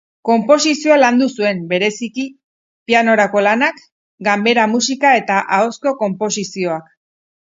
Konposizioa landu zuen, bereziki: pianorako lanak, ganbera-musika eta ahozko konposizioak.